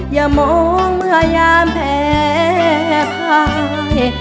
อย่ามองมายามแผลภาย